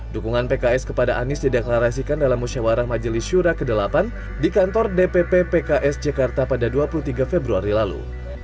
dukungan pks kepada anies dideklarasikan dalam musyawarah majelis syura ke delapan di kantor dpp pks jakarta pada dua puluh tiga februari lalu